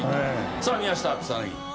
さあ宮下草薙。